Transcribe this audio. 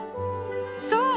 そう！